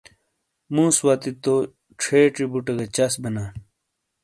مُوس وتی تو چھیچی بُٹے گہ چَس بینا۔